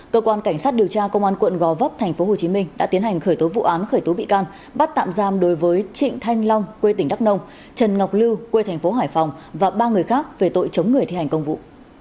cơ quan cảnh sát điều tra công an quận gò vấp tp hcm đã tiến hành khởi tố vụ án khởi tố bị can bắt tạm giam đối với trịnh thanh long quê tỉnh đắk nông trần ngọc lưu quê tp hải phòng và ba người khác về tội chống người thi hành công vụ